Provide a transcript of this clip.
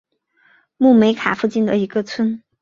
穆梅卡附近的一个村。